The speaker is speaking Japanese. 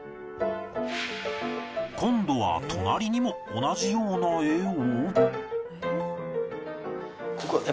今度は隣にも同じような絵を